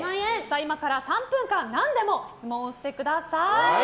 今から３分間何でも質問してください。